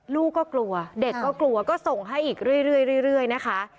ลูกก็กลัวเด็กก็กลัวก็ส่งให้อีกเรื่อยนะคะ